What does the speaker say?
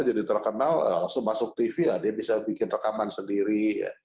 jadi terkenal langsung masuk tv dia bisa bikin rekaman sendiri